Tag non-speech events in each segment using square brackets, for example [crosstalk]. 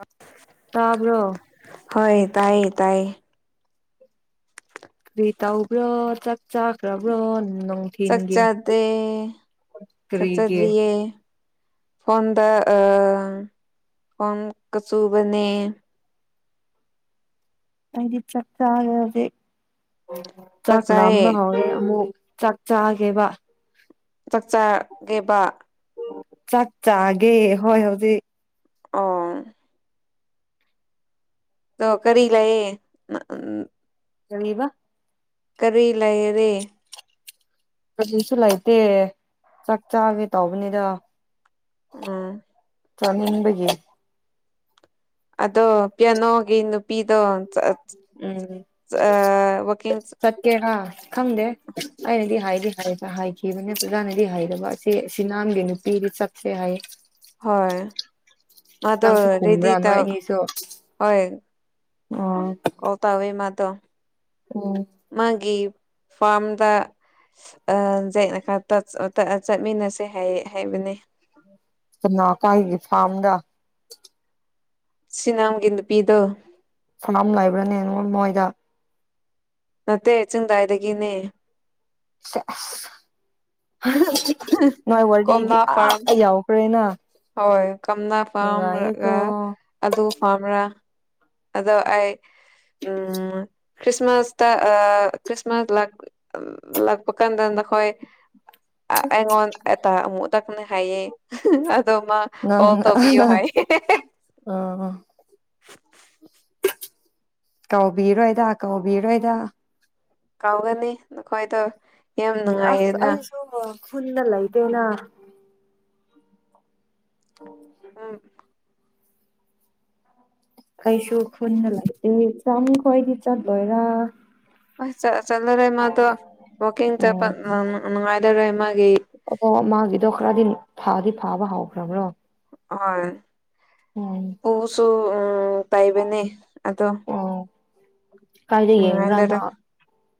ꯑꯥ ꯇꯥꯕ꯭ꯔꯣ ꯍꯣꯏ ꯇꯥꯏꯌꯦ ꯇꯥꯏꯌꯦ ꯀꯔꯤ ꯇꯩꯕ꯭ꯔꯣ ꯆꯥꯛ ꯆꯥꯈ꯭ꯔꯕ꯭ꯔꯣ ꯅꯨꯡ ꯆꯥꯛ ꯆꯥꯗꯦ ꯀꯔꯤꯒꯤ ꯆꯥꯛꯆꯥꯗ꯭ꯔꯤꯌꯦ ꯐꯣꯟꯗ ꯑ ꯐꯣꯟ ꯀ ꯆꯨꯕꯅꯦ ꯑꯩꯗꯤ ꯆꯥꯛ ꯆꯥꯔꯦ ꯍꯧꯖꯤꯛ ꯆꯥꯛ ꯂꯥꯝꯕ ꯍꯧꯔꯦ ꯑꯃꯨꯛ ꯆꯥꯛ ꯆꯥꯒꯦꯕꯥ ꯆꯥꯛ ꯆꯥꯒꯦꯕꯥ ꯆꯥꯛ ꯆꯥꯒꯦ ꯍꯣꯏ ꯍꯧꯖꯤꯛ ꯑꯣ ꯑꯗꯣ ꯀꯔꯤ ꯂꯩꯌꯦ ꯅ ꯎꯝ ꯀꯔꯤꯕꯥ ꯀꯔꯤ ꯂꯩꯔꯦ ꯀꯔꯤꯁꯨ ꯂꯩꯇꯦ ꯆꯥꯛ ꯆꯥꯒꯦ ꯇꯧꯕꯅꯤꯗ ꯎꯝ ꯆꯥꯅꯤꯡꯕꯒꯤ ꯑꯗꯣ ꯄꯤꯌꯥꯅꯣꯒꯤ ꯅꯨꯄꯤꯗꯣ ꯆꯑꯥ ꯎꯝ ꯆꯑꯥ ꯋꯥꯀꯤꯡ ꯀꯦꯔꯥ ꯈꯪꯗꯦ ꯑꯩꯅꯗꯤ ꯍꯥꯏꯗꯤ ꯍꯥꯏꯐꯥ ꯍꯥꯏꯈꯤꯕꯅꯦ ꯄꯨꯔꯥꯅꯗꯤ ꯍꯥꯏꯗꯕ ꯑꯁꯤ ꯁꯤꯅꯥꯝꯒꯤ ꯅꯨ ꯑꯩꯗꯤ ꯆꯠꯁꯦ ꯍꯥꯏꯌꯦ ꯍꯣꯏ ꯃꯥꯗꯣ ꯅꯪꯁꯨ ꯔꯦꯗꯤ ꯈꯨꯝꯕ꯭ꯔꯥ ꯅꯣꯏ ꯇꯧ ꯑꯅꯤꯁꯨ ꯍꯣꯏ ꯑꯣ ꯑꯣ ꯇꯧꯋꯦ ꯃꯥꯗꯣ ꯑꯣ ꯃꯥꯒꯤ ꯐꯥꯝꯗ ꯑꯥ [unintelligible] ꯇꯛꯑ ꯆꯠꯃꯤꯟꯅꯁꯦ ꯍꯥꯏꯌꯦ ꯍꯥꯏꯕꯅꯦ ꯀꯅꯥ ꯀꯥꯏꯒꯤ ꯐꯥꯝꯗ ꯁꯤꯅꯥꯝꯒꯤ ꯅꯨꯄꯤꯗꯣ ꯁꯅꯥꯝ ꯂꯩꯕ꯭ꯔꯅꯦ ꯅꯣꯏ ꯃꯣꯏꯗ ꯅꯠꯇꯦ ꯆꯤꯡꯗꯥꯏꯗꯒꯤꯅꯦ ꯁꯦ ꯑꯁ [unintelligible] ꯅꯣꯏ ꯋꯥꯔꯤꯗꯤ ꯀꯣꯝꯂꯥ ꯑꯥ ꯐꯥꯔꯝ ꯌꯧꯈ꯭ꯔꯦꯅ ꯍꯣꯏ ꯀꯝꯅꯥ ꯐꯥꯝꯔꯒ ꯑꯗꯨ ꯄꯥꯝꯕ꯭ꯔꯥ ꯑꯗꯣ ꯑꯩ ꯎꯝ ꯈ꯭ꯔꯤꯁꯃꯥꯁꯇ ꯑꯥ ꯈ꯭ꯔꯤꯁꯃꯥꯁ ꯂꯥꯛ ꯎꯝ ꯂꯥꯛꯄ ꯀꯥꯟꯗ ꯅꯈꯣꯏ ꯑꯥ ꯑꯩꯉꯣꯟ ꯑꯇꯥ ꯑꯃꯨꯛ ꯇꯛꯅꯦ ꯍꯥꯏꯌꯦ [unintelligible] ꯑꯗꯣ ꯃꯥ ꯅꯪ ꯑꯣ ꯇꯧꯕꯤꯌꯨ ꯍꯥꯏ ꯍꯦꯍꯦꯍꯦ [unintelligible] ꯇꯧꯕꯤꯔꯣꯏꯗ ꯀꯥꯎꯕꯤꯔꯣꯏꯗ ꯀꯥꯎꯒꯅꯤ ꯅꯈꯣꯏꯗꯣ ꯌꯥꯝ ꯑꯁ ꯅꯨꯡꯉꯥꯏꯌꯦꯅ ꯑꯩꯁꯨꯀꫭ ꯈꯨꯨꯟꯗ ꯂꯩꯇꯦꯅ [inaudible] ꯎꯝ ꯑꯩꯁꯨ ꯈꯨꯟꯗ ꯂꯩꯇꯦ ꯆꯟ ꯈꯣꯏꯗꯤ ꯆꯠꯂꯣꯏꯔ ꯑꯁ ꯆꯥ ꯆꯠꯂꯔꯣꯏ ꯃꯥꯗꯣ ꯋꯥꯀꯤꯡ ꯆꯠꯄ ꯑꯣ ꯅꯪ ꯅꯨꯡꯉꯥꯏꯗꯧꯔꯦ ꯃꯥꯒꯤ ꯑꯗ ꯃꯥꯒꯤꯗꯣ ꯈꯔꯗꯤ ꯐꯥꯗꯤ ꯐꯥꯕ ꯍꯧꯈ꯭ꯔꯕ꯭ꯔꯣ ꯍꯣꯏ ꯎꯝ ꯄꯨꯁꯨ ꯎꯝ ꯇꯩꯕꯅꯦ ꯑꯗꯣ ꯎꯝ ꯅꯨꯉꯜꯂꯦꯗꯥ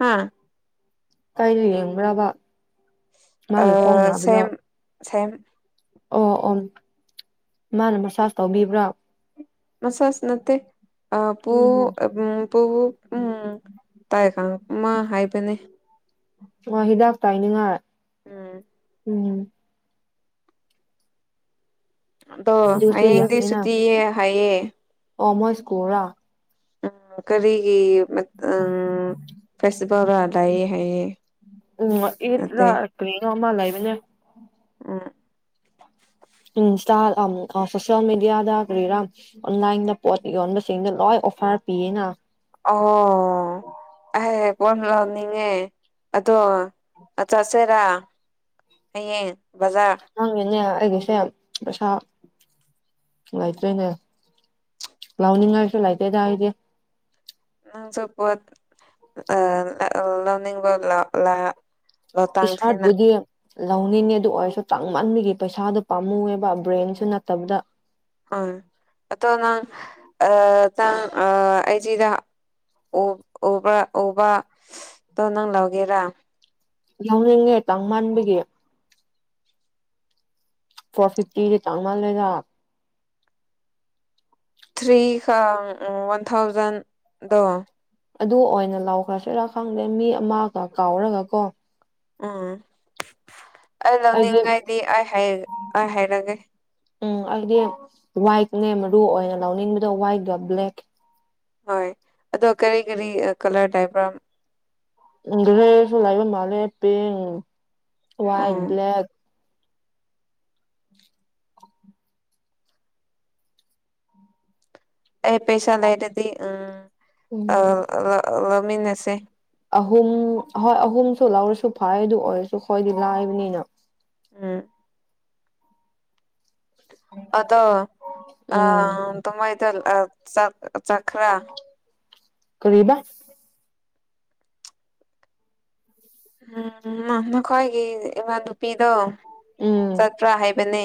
ꯍꯥꯥ ꯀꯥꯏꯗ ꯌꯦꯡꯕ꯭ꯔꯕ ꯃꯥꯒꯤ ꯈꯣꯡ ꯁꯦꯝ ꯅꯥꯕꯗꯣ ꯁꯦꯝ ꯑꯣ ꯑꯣ ꯃꯥꯅ ꯃꯁꯥꯁ ꯇꯧꯕꯤꯕ꯭ꯔꯥ ꯃꯁꯥꯥꯁ ꯅꯠꯇꯦ ꯑꯥꯄꯨ ꯎꯝ ꯑꯕꯨꯡꯄꯨ ꯎꯝ ꯇꯥꯏ ꯀꯥꯡꯂꯨꯞ ꯑꯃ ꯍꯥꯏꯕꯅꯦ ꯑꯣ ꯎꯝ ꯍꯤꯗꯥꯛꯇꯥꯏꯅꯤꯡꯉꯥꯏ ꯎꯝ ꯑꯗꯣ ꯑꯗꯨꯁꯨ ꯍꯌꯦꯡꯗꯤ ꯌꯥꯏꯅ ꯁꯨꯇꯤꯌꯦ ꯍꯥꯏꯌꯦ ꯑꯣ ꯃꯣꯏ ꯁ꯭ꯀꯨꯜ ꯔꯥ ꯎꯝ ꯀꯔꯤ ꯒꯤ ꯃꯠ ꯑꯥꯝ ꯐꯦꯁꯇꯤꯕꯦꯜꯂ ꯂꯩꯌꯦ ꯍꯥꯏꯌꯦ ꯎꯝ ꯅꯠꯇꯦ ꯑꯤꯠꯂꯥ ꯀꯔꯤꯅꯣ ꯑꯃ ꯂꯩꯕꯅꯦ ꯎꯝ ꯏꯟꯁꯇꯥ ꯑꯝ ꯑꯥ ꯁꯣꯁꯤꯌꯦꯜ ꯃꯦꯗꯤꯌꯥꯗ ꯀꯔꯤꯔ ꯑꯣꯟꯂꯥꯏꯟꯗ ꯄꯣꯠ ꯌꯣꯟꯕꯁꯤꯡꯗꯣ ꯂꯣꯏ ꯑꯣꯐꯔ ꯄꯤꯌꯦꯅ ꯑꯣ ꯑꯍꯦ ꯄꯣꯠ ꯂꯧꯅꯤꯡꯉꯦ ꯑꯗꯣ ꯆꯠꯁꯦꯔꯥ ꯍꯌꯦꯡ ꯕꯖꯥꯔ ꯅꯪꯒꯤꯅꯦ ꯑꯩꯒꯤꯁꯦ ꯄꯩꯁꯥ ꯂꯩꯇ꯭ꯔꯦꯅꯦ ꯂꯥꯎꯅꯤꯡꯉꯥꯏꯁꯨ ꯂꯩꯇꯦꯗ ꯑꯩꯗꯤ ꯅꯪ ꯑꯆꯥꯄꯣꯠ ꯑꯥ ꯑꯥ ꯂꯧꯅꯤꯡꯕ ꯂꯥꯛ ꯂꯥ ꯏꯁꯥꯠꯕꯨꯗꯤ ꯂꯧꯅꯤꯡꯉꯦ ꯑꯗꯨ ꯑꯣꯏꯔꯁꯨ ꯇꯥꯡꯃꯟꯕꯒꯤ ꯄꯩꯁꯥꯗꯣ ꯄꯥꯝꯃꯨꯋꯦꯕ ꯕ꯭ꯔꯦꯟꯁꯨ ꯅꯠꯇꯕꯗ ꯍꯣꯏ ꯑꯇꯣ ꯅꯪ ꯑꯥꯖꯥꯡ ꯑꯥ ꯑꯩꯖꯤꯗ ꯎꯞ ꯎꯕ ꯎꯕ ꯇꯣ ꯅꯪ ꯂꯧꯒꯦꯔꯥ ꯂꯥꯎꯅꯤꯡꯉꯦ ꯇꯥꯡꯃꯟꯕꯒꯤ ꯐꯣꯔ ꯐꯤꯐꯇꯤꯗꯤ ꯇꯥꯡꯃꯟꯂꯦꯗ ꯊ꯭ꯔꯤ ꯈꯪ ꯑꯥ ꯋꯥꯟ ꯊꯥꯎꯖꯟꯗꯣ ꯑꯗꯨ ꯑꯣꯏꯅ ꯂꯧꯈ꯭ꯔꯁꯦꯔꯥ ꯈꯪꯗꯦ ꯃꯤ ꯑꯃꯥꯒ ꯀꯥꯎꯔꯒ ꯀꯣ ꯎꯝ ꯑꯩ ꯑꯩꯗꯤ ꯂꯧꯅꯤꯡꯉꯥꯏꯗꯤ ꯑꯩ ꯍꯩ ꯑꯩ ꯍꯥꯏꯔꯒꯦ ꯎꯝ ꯑꯥꯏꯗꯤ ꯋꯥꯏꯠꯅꯦ ꯃꯔꯨ ꯑꯣꯏꯅ ꯂꯧꯅꯤꯡꯕꯗꯣ ꯋꯥꯏꯠꯀ ꯕ꯭ꯂꯦꯛ ꯍꯣꯏ ꯑꯗꯣ ꯀꯔꯤ ꯀꯔꯤ ꯑꯀꯂꯔ ꯂꯥꯏꯕ꯭ꯔꯝ ꯎꯝ ꯒ꯭ꯔꯦꯁꯨ ꯂꯩꯕ ꯃꯥꯜꯂꯦ ꯄꯤꯡ ꯋꯥꯏꯠ ꯎꯝ ꯕ꯭ꯂꯦꯛ [inaudible] ꯑꯩ ꯄꯩꯁꯥ ꯂꯩꯔꯗꯤ ꯎꯝ ꯎꯝ ꯑꯥ ꯂ ꯂ ꯂꯧꯃꯤꯟꯅꯁꯦ ꯑꯍꯨꯝ ꯍꯣꯏ ꯑꯍꯨꯝꯁꯨ ꯂꯧꯔꯁꯨ ꯐꯥꯏ ꯑꯗꯨ ꯑꯣꯏꯔꯁꯨ ꯑꯈꯣꯏꯗꯤ ꯂꯥꯏꯕꯅꯤꯅ ꯎꯝ ꯎꯝ [unintelligible] ꯀꯔꯤꯕ ꯎꯝ ꯅꯥ ꯅꯈꯣꯏꯒꯤ ꯏꯃꯥ ꯅꯨꯨꯄꯤꯗꯣ ꯎꯝ ꯆꯠꯄ꯭ꯔꯥ ꯍꯥꯏꯕꯅꯦ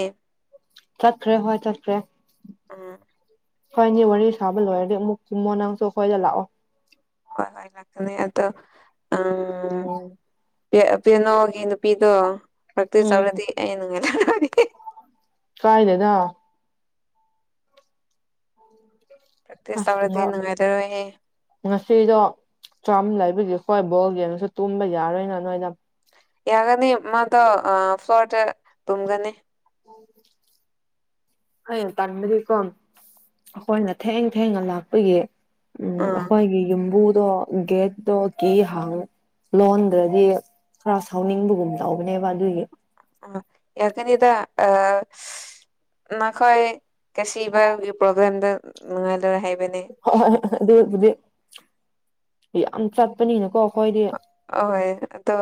ꯆꯠꯈ꯭ꯔꯦ ꯍꯣꯏ ꯆꯠꯈ꯭ꯔꯦ ꯑꯣ ꯈꯣꯏꯅꯤ ꯋꯥꯔꯤ ꯁꯥꯕ ꯂꯣꯏꯔꯗꯤ ꯑꯃꯨꯛ ꯀꯨꯃꯣ ꯅꯪꯁꯨ ꯑꯩꯈꯣꯏꯗ ꯂꯥꯛꯑꯣ ꯍꯣꯏ ꯍꯣꯏ ꯉꯛꯇꯅꯦ ꯑꯗꯣ ꯑꯝ ꯄꯦ ꯄꯦꯅꯥꯎꯒꯤ ꯅꯨꯄꯤꯗꯣ ꯄꯛꯇ꯭ꯔꯤꯁ ꯎꯝ ꯇꯧꯔꯗꯤ ꯑꯩ [unintelligible] ꯀꯥꯏꯗꯅꯣ ꯄ꯭ꯔꯦꯛꯇꯤꯁ ꯇꯧꯔꯗꯤ ꯅꯨꯡꯉꯥꯏꯔꯔꯣꯏꯍꯦ [unintelligible] ꯉꯁꯤꯗꯣ ꯆꯥꯝ ꯂꯩꯕꯒꯤ ꯈꯣꯏ ꯕꯣꯜ ꯌꯦꯡꯉꯁꯨ ꯇꯨꯝꯕ ꯌꯥꯔꯣꯏꯅ ꯅꯣꯏꯗ ꯌꯥꯒꯅꯤ ꯃꯥꯗꯣ ꯑꯥ ꯐ꯭ꯂꯣꯔꯇ ꯇꯨꯝꯒꯅꯤ [inaudible] ꯑꯩꯅ ꯇꯥꯟꯕꯗꯤꯀꯣ ꯑꯩꯈꯣꯏꯅ ꯊꯦꯡ ꯊꯦꯡꯅ ꯂꯥꯛꯄꯒꯤ ꯎꯝ ꯑꯥ ꯑꯈꯣꯏꯒꯤ ꯌꯨꯝꯕꯨꯗꯣ ꯒꯦꯠꯇꯣ ꯀꯤ ꯍꯥꯡ ꯂꯣꯟꯗ꯭ꯔꯗꯤ ꯈꯔ ꯁꯥꯎꯅꯤꯡꯕꯒꯨꯝ ꯇꯧꯕꯅꯦꯕ ꯑꯗꯨꯒꯤ ꯑꯥ ꯌꯥꯀꯅꯤꯗ ꯑꯥ ꯅꯈꯣꯏ ꯀꯁꯤꯕꯒꯤ ꯄ꯭ꯔꯣꯕ꯭ꯂꯦꯝꯗ ꯅꯨꯡꯉꯥꯏ ꯂꯣꯏ ꯍꯥꯏꯕꯅꯦ [unintelligible] ꯑꯗꯨꯕꯨꯗꯤ ꯌꯥꯝ ꯆꯠꯄꯅꯤꯅꯀꯣ ꯑꯩꯈꯣꯏꯗꯤ ꯑꯍꯣꯏ ꯑꯗꯣ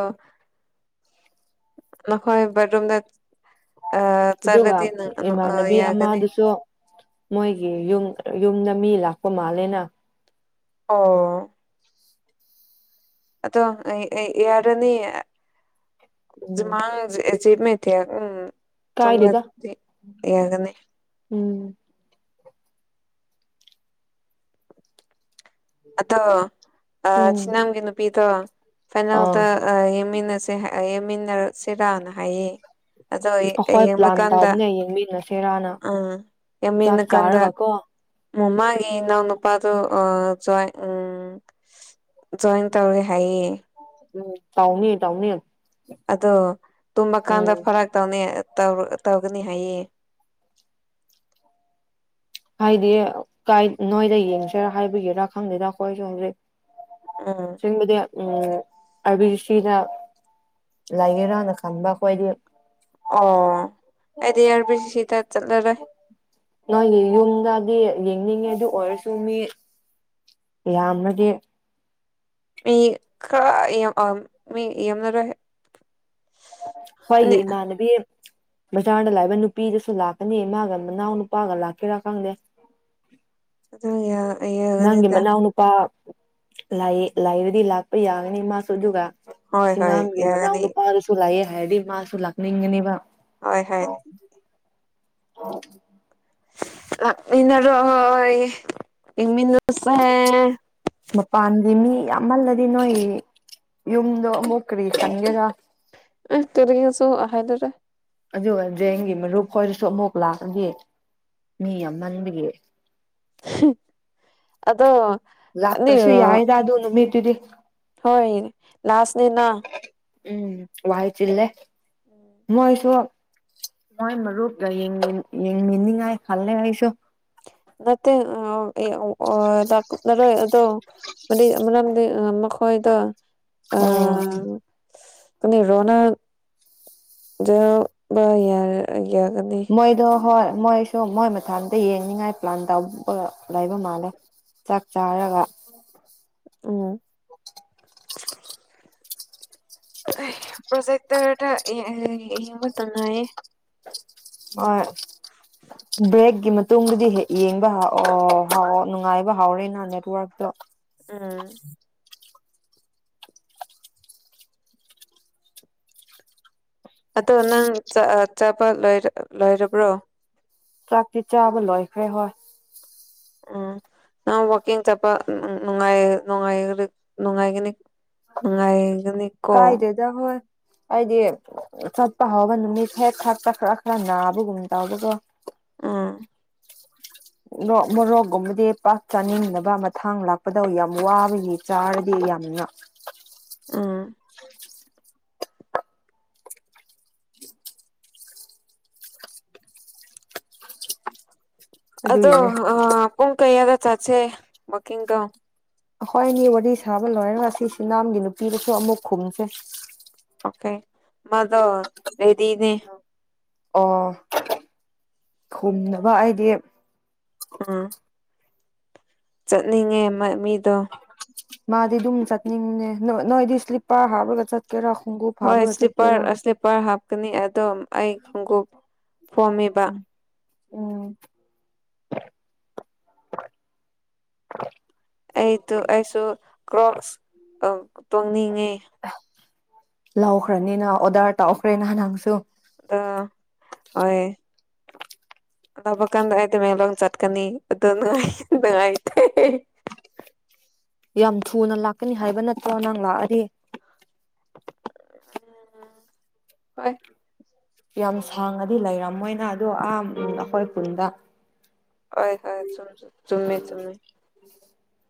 ꯅꯈꯣꯏ ꯕꯥꯠꯔꯨꯝꯗ ꯑ ꯑꯗꯨꯒ ꯆꯠꯂꯗꯤ ꯅꯪ ꯑ ꯏꯃꯥꯟꯅꯕꯤ ꯌꯥꯒꯅꯤ ꯑꯃꯥꯗꯨꯁꯨ ꯃꯣꯏꯒꯤ ꯌꯨꯝ ꯌꯨꯝꯗ ꯃꯤ ꯂꯥꯛꯄ ꯃꯥꯜꯂꯦꯅ ꯑꯣ ꯑꯗꯣ ꯑꯩ ꯑꯩ ꯌꯥꯔꯅꯤ ꯎꯝ ꯖꯤꯃꯥꯡ ꯖꯤꯑ ꯀꯥꯏꯗꯦꯗ [unintelligible] ꯎꯝ ꯑꯗꯣ ꯑꯥ ꯎꯝ ꯆꯤꯅꯥꯝꯒꯤ ꯅꯨꯄꯤꯗꯣ ꯐꯥꯏꯅꯦꯜꯗ ꯑꯥ ꯌꯦꯡꯃꯤꯟꯅꯁꯦ ꯍꯑꯦ ꯌꯦꯡꯃꯤꯟꯅꯁꯦꯔꯥꯅ ꯍꯥꯏꯌꯦ ꯑꯗꯣ ꯑꯩꯈꯣꯏ ꯌꯦꯡꯕ ꯄ꯭ꯂꯥꯟ ꯀꯥꯟꯗ ꯇꯧꯕꯅꯦ ꯌꯦꯡꯃꯤꯟꯅꯁꯦꯔꯥꯅ ꯑꯥ ꯆꯥꯛ ꯌꯥꯝꯃꯤꯟꯅꯀꯥꯟꯗ ꯆꯥꯔꯒ ꯀꯣ ꯃꯃꯥꯒꯤ ꯏꯅꯥꯎ ꯅꯨꯄꯥꯗꯨ ꯑꯥ ꯆꯣꯏ ꯎꯝ ꯖꯣꯏꯟ ꯇꯧꯔꯦ ꯍꯥꯏꯌꯦ ꯎꯝ ꯇꯥꯎꯅꯤ ꯇꯥꯎꯅꯤ ꯑꯗꯣ ꯇꯨꯝꯃꯀꯥꯟꯗ ꯐꯔꯛ ꯇꯧꯅꯤ ꯇꯧ ꯇꯧꯒꯅꯤ ꯍꯥꯏꯌꯦ ꯍꯥꯏꯗꯤ ꯀꯥꯏ ꯅꯣꯏꯗ ꯌꯦꯡꯁꯦꯔꯥ ꯍꯥꯏꯕꯒꯤꯔꯥ ꯈꯪꯗꯦꯗ ꯑꯩꯈꯣꯏꯁꯨ ꯍꯧꯖꯤꯛ ꯎꯝ ꯑꯆꯦꯡꯕꯗꯤ ꯎꯝ ꯁꯤꯗ ꯂꯩꯒꯦꯔꯥꯅ ꯈꯟꯕ ꯈꯣꯏꯗꯤ ꯑꯣ ꯑꯩꯗꯤ ꯑꯥꯔ ꯕꯤ ꯁꯤꯗ ꯆꯠꯂ ꯅꯣꯏꯒꯤ ꯌꯨꯝꯗꯗꯤ ꯌꯦꯡꯅꯤꯡꯉꯦ ꯑꯗꯨ ꯑꯣꯏꯔꯁꯨ ꯃꯤ ꯌꯥꯝꯔꯗꯤ ꯃꯤ ꯈꯔ ꯌꯥꯝ ꯑ ꯃꯤ ꯌꯥꯝꯂꯔꯣꯏ ꯍꯣꯏꯒꯤ ꯏꯃꯥꯟꯅꯕꯤ ꯕꯖꯥꯔꯗ ꯂꯩꯕ ꯅꯨꯄꯤꯗꯨꯁꯨ ꯂꯥꯛꯀꯅꯤ ꯃꯥꯒ ꯃꯅꯥꯎ ꯅꯨꯄꯥꯒ ꯂꯥꯛꯀꯦꯔꯥ ꯈꯪꯗꯦ ꯑꯗꯨ ꯌꯥ ꯅꯪꯒꯤ ꯃꯅꯥꯎꯅꯨꯄꯥ ꯂꯩ ꯂꯩꯔꯗꯤ ꯂꯥꯛꯄ ꯌꯥꯒꯅꯤ ꯃꯥꯁꯨ ꯑꯗꯨꯒ ꯍꯣꯏ ꯍꯣꯏ ꯅꯪꯒꯤ ꯃꯅꯥꯎ ꯌꯥꯒꯅꯤ ꯅꯨꯄꯥꯗꯨꯁꯨ ꯂꯩꯑꯦ ꯍꯥꯏꯔꯗꯤ ꯃꯥꯁꯨ ꯂꯥꯛꯅꯤꯡꯒꯅꯤꯕ ꯍꯣꯏ ꯍꯣꯏ [unintelligible] ꯂꯥꯛꯃꯤꯟꯅꯔꯣꯏ ꯌꯦꯡꯃꯤꯟꯅꯁꯦ ꯃꯄꯥꯟꯗꯤ ꯃꯤ ꯌꯥꯝꯃꯜꯂꯗꯤ ꯅꯣꯏ ꯌꯨꯝꯗꯣ ꯑꯃꯨꯛ ꯀꯔꯤ ꯈꯟꯒꯦꯔꯥ ꯑꯁ ꯇꯨꯝꯅꯤꯡꯉꯁꯨ ꯑ ꯍꯥꯏꯗꯔꯦ ꯑꯗꯨꯒ ꯗ꯭ꯔꯦꯡꯒꯤ ꯃꯔꯨꯞ ꯈꯣꯏꯗꯨꯁꯨ ꯑꯃꯨꯛ ꯂꯥꯛꯑꯗꯤ ꯃꯤ ꯌꯥꯝꯃꯟꯕꯒꯤ ꯑꯗꯣ ꯂꯥꯛꯇ꯭ꯔꯁꯨ ꯑꯅꯤꯔꯣ ꯌꯥꯏꯗ ꯑꯗꯨ ꯅꯨꯃꯤꯠꯇꯨꯗꯤ ꯍꯣꯏ ꯂꯥꯁꯅꯤꯅ ꯎꯝ ꯋꯥꯏ ꯆꯤꯜꯂꯦ ꯃꯣꯏꯁꯨ ꯃꯣꯏ ꯃꯔꯨꯞꯒ ꯌꯦꯡꯅꯤꯡ ꯌꯦꯡꯃꯤꯅꯤꯉꯥꯏ ꯍꯜꯂꯦ ꯑꯩꯁꯨ ꯅꯠꯇꯦ ꯑ ꯑꯦ ꯑꯣ ꯑ [unintelligible] ꯑꯗꯣ ꯑꯗꯤ ꯑ ꯃꯔꯝꯗꯤ ꯑ ꯃꯈꯣꯏꯗꯣ ꯎꯝ ꯈꯪꯗꯦ ꯔꯣꯅꯥꯜ ꯖꯨ ꯃꯥ ꯌꯥꯔꯛ ꯑ ꯌꯥꯒꯅꯤ ꯃꯣꯏꯗꯣ ꯍꯣꯏ ꯃꯣꯏꯁꯨ ꯃꯣꯏ ꯃꯊꯟꯇ ꯌꯦꯡꯅꯤꯉꯥꯏ ꯄ꯭ꯂꯥꯟ ꯇꯧꯕ ꯂꯩꯕ ꯃꯥꯜꯂꯦ ꯆꯥꯛ ꯆꯥꯔꯒ ꯎꯝ ꯑꯩ ꯄ꯭ꯔꯣꯖꯦꯛꯇꯔꯗ ꯌꯦ ꯌꯦꯡꯕ ꯇꯟꯅꯩꯌꯦ ꯍꯣꯏ ꯕ꯭ꯔꯦꯛꯀꯤ ꯃꯇꯨꯡꯗꯗꯤ ꯌꯦ ꯌꯦꯡꯕ ꯍꯧ ꯍꯧ ꯍꯧꯕ ꯅꯨꯡꯉꯥꯏꯕ ꯍꯥꯎꯔꯦꯅꯥ ꯅꯦꯠꯋꯥꯔꯛꯇꯣ ꯎꯝ ꯑꯗꯣ ꯅꯪ ꯆꯥ ꯑ ꯆꯠꯄ ꯂꯣꯏꯔ ꯂꯣꯏꯔꯕ꯭ꯔꯣ ꯆꯥꯛꯇꯤ ꯆꯥꯕ ꯂꯣꯏꯈ꯭ꯔꯦ ꯍꯣꯏ ꯎꯝ ꯅꯪ ꯋꯥꯀꯤꯡ ꯆꯠꯄ ꯅꯨꯡ ꯅꯨꯡꯉꯥꯏ ꯅꯨꯡꯉꯥꯏ ꯔ ꯅꯨꯡꯉꯥꯏꯒꯅꯤ ꯅꯨꯡꯉꯥꯏꯒꯅꯤꯀꯣ ꯌꯥ ꯍꯣꯏ ꯑꯩꯗꯤ ꯆꯠꯄ ꯍꯥꯎꯕ ꯅꯨꯃꯤꯠ ꯍꯦꯛ ꯈꯛꯇ ꯈꯔ ꯈꯔ ꯅꯥꯕꯒꯨꯝ ꯇꯧꯕꯒꯣ ꯎꯝ ꯔꯣꯛ ꯃꯣꯔꯣꯛꯒꯨꯝꯕꯗꯤ ꯄꯥꯛ ꯆꯥꯅꯤꯡꯗꯕ ꯃꯊꯪ ꯂꯥꯛꯄꯗ ꯌꯥꯝ ꯋꯥꯕꯒꯤ ꯆꯥꯔꯗꯤ ꯌꯥꯝꯅ ꯎꯝ [inaudible] ꯑꯗꯣ ꯑꯗꯨꯒꯤꯅꯦ ꯑ ꯄꯨꯡ ꯀꯩꯌꯥꯗ ꯆꯠꯁꯦ ꯋꯥꯀꯤꯡꯗꯣ ꯑꯈꯣꯏ ꯑꯅꯤ ꯋꯥꯔꯤ ꯁꯥꯕ ꯂꯣꯏꯔꯒ ꯑꯁꯤ ꯁꯤꯅꯥꯝꯒꯤ ꯅꯨꯄꯤꯗꯁꯨ ꯑꯃꯨꯛ ꯈꯨꯝꯁꯦ ꯑꯣꯀꯦ ꯃꯥꯗꯣ ꯔꯦꯗꯤꯅꯦ ꯑꯣ ꯈꯨꯝꯅꯕ ꯑꯩꯗꯤ ꯎꯝ ꯆꯠꯅꯤꯡꯉꯦ ꯃ ꯃꯤꯗꯣ ꯃꯥꯗꯤ ꯑꯗꯨꯝ ꯆꯠꯅꯤꯡꯅꯦ ꯅꯣꯏ ꯅꯣꯏꯗꯤ ꯁ꯭ꯂꯤꯞꯄꯔ ꯍꯥꯞꯔꯒ ꯆꯠ ꯀꯦꯔꯥ ꯈꯨꯡꯎꯞ ꯍꯣꯏ ꯁ꯭ꯂꯤꯞꯄꯔ ꯁ꯭ꯂꯤꯞꯄꯔ ꯍꯥꯞꯀꯅꯤ ꯑꯗꯣ ꯑꯩ ꯈꯣꯡꯎꯞ ꯐꯣꯝꯃꯦꯕꯥ ꯎꯝ꯫ ꯑꯩꯗꯣ ꯑꯩꯁꯨ ꯀ꯭ꯔꯣꯛꯁ ꯑꯥ ꯇꯣꯡꯅꯤꯡꯉꯦ ꯑꯍ ꯂꯧꯈ꯭ꯔꯥꯅꯤꯅ ꯑꯣꯗꯔ ꯇꯧꯈ꯭ꯔꯦ ꯅꯍꯥꯟ ꯅꯪꯁꯨ ꯑꯥ ꯍꯣꯏ ꯑꯅꯧꯕ ꯀꯥꯟꯗ ꯑꯩ ꯇꯃꯦꯡꯂꯣꯡ ꯆꯠꯀꯅꯤ ꯑꯗꯣ ꯅꯣꯏ ꯅꯨꯡꯉꯥꯏꯇꯦ ꯌꯥꯝ ꯊꯨꯅ ꯂꯥꯛꯀꯅꯤ ꯍꯥꯏꯕ ꯅꯠꯇ꯭ꯔꯣ ꯅꯪ ꯂꯥꯛꯑꯗꯤ ꯍꯣꯏ ꯌꯥꯝ ꯁꯥꯡꯉꯗꯤ ꯂꯩꯔꯝꯃꯣꯏꯅ ꯑꯗꯣ ꯑꯥ ꯎꯝ ꯑꯩꯈꯣꯏ ꯈꯨꯟꯗ ꯍꯣꯏ ꯍꯣꯏ ꯆꯨꯝ ꯆꯨꯝ ꯆꯨꯝꯃꯦ ꯆꯨꯝꯃꯦ [inaudible]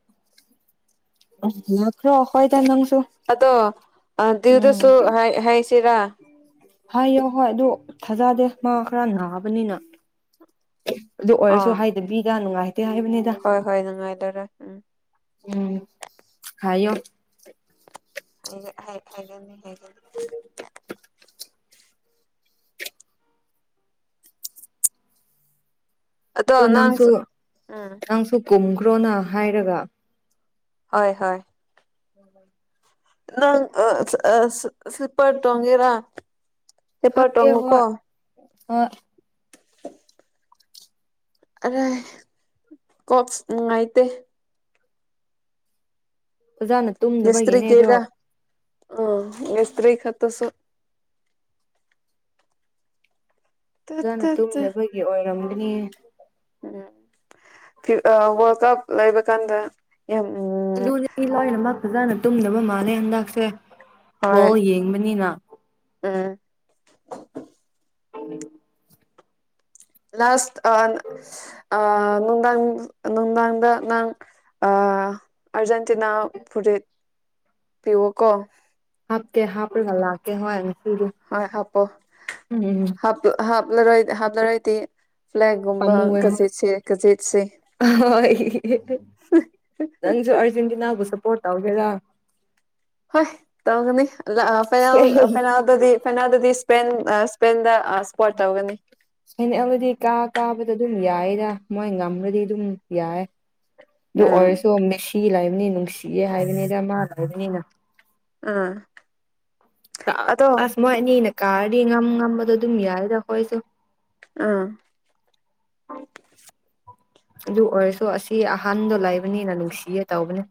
ꯑꯪ ꯏꯟꯅꯈ꯭ꯔꯣ ꯍꯣꯏꯗ ꯅꯪꯁꯨ ꯑꯗꯣ ꯎꯝ ꯑꯥꯟꯇꯤꯗꯥꯁꯨ ꯍꯥꯏ ꯍꯥꯏꯁꯤꯔꯥ ꯍꯥꯏꯌꯣ ꯍꯣꯏ ꯑꯗꯣ ꯊꯥꯖꯗꯦ ꯃꯥ ꯈꯔ ꯅꯥꯕꯅꯤꯅ ꯑꯗꯨ ꯑꯣꯏꯔꯁꯨ ꯑꯥ ꯍꯥꯏꯗꯕꯤꯗ ꯅꯨꯡꯉꯥꯏꯇꯦ ꯍꯥꯏꯕꯅꯤ ꯍꯣꯏ ꯍꯣꯏ ꯅꯨꯡꯉꯥꯏꯗꯔꯥ ꯎꯝ ꯎꯝ ꯍꯥꯏꯌꯣ ꯍꯥꯏꯒꯦ ꯍꯥꯏ ꯍꯥꯏꯒꯅꯤ ꯍꯥꯏꯒꯅꯤ ꯑꯗꯣ ꯅꯪꯁꯨ ꯎꯝ ꯅꯪꯁꯨ ꯀꯨꯝꯈ꯭ꯔꯣꯅ ꯍꯥꯏꯔꯒ ꯍꯣꯏ ꯍꯣꯏ [unintelligible] ꯅꯪ ꯑꯥ ꯑꯥ ꯁ꯭ꯂꯤꯞꯄꯔ ꯇꯣꯡꯒꯦꯔꯥ ꯁ꯭ꯂꯤꯞꯄꯔ ꯍꯥꯞꯀꯦ ꯍꯣꯏ ꯇꯣꯡꯉꯨꯀꯣ ꯍꯣꯏ ꯑꯔꯥꯏ ꯀꯣꯛꯁ ꯅꯨꯡꯉꯥꯏꯇꯦ ꯐꯖꯅꯥ ꯇꯨꯝꯗꯕꯒꯤꯅꯦꯗꯣ ꯑꯣ ꯃꯤꯁꯇ꯭ꯔꯤ ꯈꯠꯇꯁꯨ ꯇꯠ ꯐꯖꯅꯥ ꯇꯠ ꯇ ꯇꯨꯝꯗꯕꯒꯤ ꯑꯣꯏꯔꯝꯒꯅꯤ ꯎꯝ ꯐꯤ ꯑꯥ ꯋꯥꯔꯜꯗ ꯀꯞ ꯂꯩꯕ ꯀꯥꯟꯗ ꯌꯥꯝ ꯎꯝ ꯃꯤ ꯂꯣꯏꯅꯃꯛ ꯐꯖꯅ ꯇꯨꯝꯗꯕ ꯃꯥꯜꯂꯦ ꯍꯟꯗꯛꯁꯦ ꯍꯣꯏ ꯕꯣꯜ ꯌꯦꯡꯕꯅꯤꯅ ꯎꯝ꯫ [inaudible] ꯂꯥꯁ꯭ꯠ ꯑꯥꯟ ꯑꯥ ꯅꯨꯡꯗꯥꯥꯡ ꯅꯨꯡꯗꯥꯡꯗ ꯅꯪ ꯑꯥ ꯑꯥꯔꯖꯦꯟꯇꯤꯅꯥ ꯐꯨꯔꯤꯠ ꯄꯤꯋꫭꯀꯣ ꯍꯥꯞꯀꯦ ꯍꯥꯞꯔꯒ ꯂꯥꯛꯀꯦ ꯍꯣꯏ ꯉꯁꯤꯗꯤ ꯍꯣꯏ ꯍꯥꯞꯄꯣ ꯎꯝ ꯎꯝ ꯍꯥꯞ ꯍꯥꯞꯂꯔꯣꯏ ꯍꯥꯞꯂꯔꯣꯏꯗꯤ ꯐ꯭ꯂꯦꯛꯒꯨꯝꯕ ꯑꯃꯨꯕ ꯍꯣꯏ ꯒꯖꯦꯠꯁꯦ ꯒꯖꯦꯠꯁꯦ ꯑꯥ ꯍꯣꯏ ꯍꯣꯏ ꯅꯪꯁꯨ ꯑꯥꯔꯖꯦꯟꯇꯤꯅꯥꯕꯨ ꯁꯄꯣꯔꯠ ꯇꯧꯒꯦꯔꯥ ꯍꯣꯏ ꯇꯧꯒꯅꯤ ꯑꯗ ꯐꯥꯏꯅꯥꯜ ꯑ ꯐꯥꯏꯅꯥꯜ ꯑꯗꯨꯗꯤ ꯐꯥꯏꯅꯥꯜꯗꯗꯤ ꯏꯁ꯭ꯄꯦꯟ ꯑ ꯏꯁ꯭ꯄꯦꯟꯗ ꯑ ꯁꯄꯣꯔꯠ ꯇꯧꯒꯅꯤ ꯏꯁ ꯐꯥꯏꯅꯦꯜꯗꯗꯤ ꯀꯥ ꯀꯥꯕꯗ ꯑꯗꯨꯝ ꯌꯥꯏꯗ ꯃꯣꯏ ꯉꯝꯒ꯭ꯔꯥꯗꯤ ꯑꯗꯨꯝ ꯌꯥꯏ ꯑꯗꯨ ꯎꯝ ꯑꯣꯏꯔꯁꯨ ꯃꯦꯁꯤ ꯂꯩꯕꯅꯤ ꯅꯨꯡꯁꯤꯌꯦ ꯍꯥꯏꯕꯅꯤꯗ ꯃꯥ ꯂꯩꯕꯅꯤꯅ ꯑꯥ ꯑꯥ ꯑꯗꯣ ꯑꯁ ꯃꯣꯏ ꯑꯅꯤꯅ ꯀꯥꯔꯗꯤ ꯉꯝ ꯉꯝꯕꯗꯣ ꯑꯗꯨꯝ ꯌꯥꯔꯦꯗ ꯑꯩꯈꯣꯏꯁꯨ ꯑꯥ [inaudible] ꯑꯗꯨ ꯑꯣꯏꯔꯁꯨ ꯑꯁꯤ ꯑꯍꯥꯟꯗꯣ ꯂꯩꯕꯅꯤꯅ ꯅꯨꯡꯁꯤꯌꯦ ꯇꯧꯕꯅꯦ